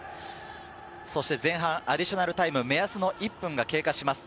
前半アディショナルタイム、目安の１分が経過します。